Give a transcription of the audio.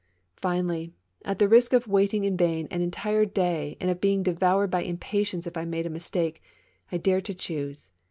Finally, at the risk of waiting in vain an entire day and of being devoured by impatience if I made a mistake, I dared to choose.